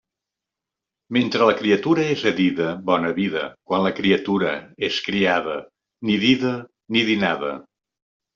Mentre la criatura és a dida, bona vida; quan la criatura és criada, ni dida ni dinada.